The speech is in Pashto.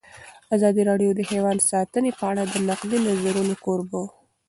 ازادي راډیو د حیوان ساتنه په اړه د نقدي نظرونو کوربه وه.